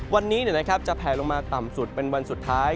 วันนี้จะแผลลงมาต่ำสุดเป็นวันสุดท้าย